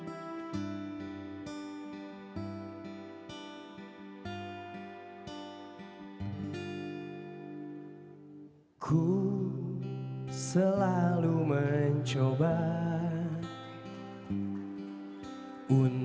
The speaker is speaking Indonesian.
jadi bullying than everinclub berikutlah